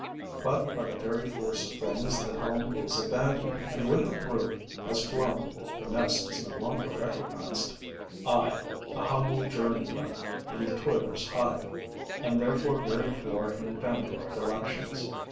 But by the very force of things the home is abandoned; and, when the brood has flown, the nest is no longer recognized. I, a humble journeyman in the toilers' hive, am therefore very poor in family recollections.